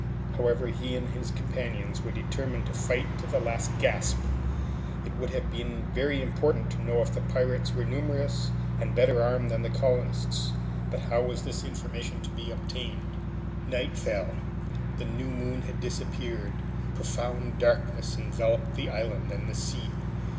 However, he and his companions were determined to fight to the last gasp. It would have been very important to know if the pirates were numerous and better armed than the colonists. But how was this information to be obtained? Night fell. The new moon had disappeared. Profound darkness enveloped the island and the sea.